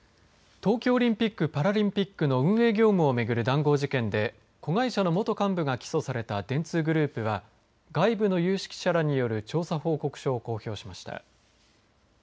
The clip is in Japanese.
東京オリンピック・パラリンピックの運営業務を巡る談合事件で子会社の元幹部が起訴された電通グループは外部の有識者らによる調査報告書を公表しました。